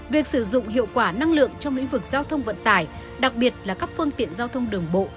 việc sử dụng hiệu quả năng lượng trong lĩnh vực giao thông vận tải đặc biệt là các phương tiện giao thông đường bộ